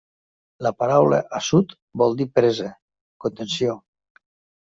La paraula Assut vol dir presa, contenció.